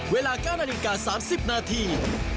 เวลา๙นาฬิกา๓๐นาที